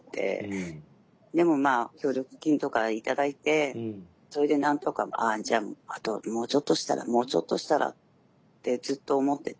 でもまあ協力金とか頂いてそれで何とかあじゃああともうちょっとしたらもうちょっとしたらってずっと思ってて。